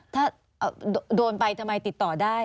ถ้าโดนไปทำไมติดต่อได้